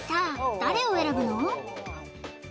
誰を選ぶの？